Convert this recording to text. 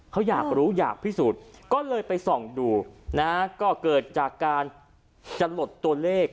เขาอยากรู้อยากพิสูจน์ก็เลยไปส่องดูนะฮะก็เกิดจากการจะหลดตัวเลข